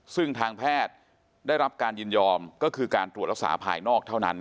ซึ่งทางแพทย์ได้รับการยินยอมก็คือการตรวจรักษาภายนอกเท่านั้น